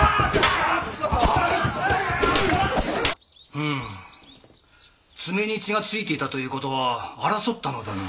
うん爪に血がついていたという事は争ったのだな。